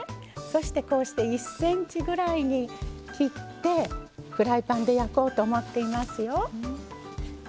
そして、１ｃｍぐらいに切ってフライパンで焼こうと思っていますよ。